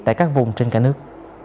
tại các vùng trên cả nước